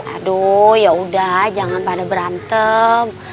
aduh yaudah jangan pada berantem